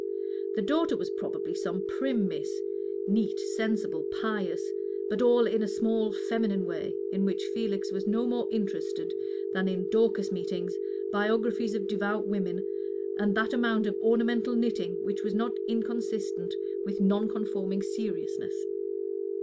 The daughter was probably some prim Miss, neat, sensible, pious, but all in a small feminine way, in which Felix was no more interested than in Dorcas meetings, biographies of devout women, and that amount of ornamental knitting which was not inconsistent with Non conforming seriousness.